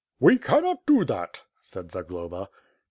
"We cannot do that," said Zagloba.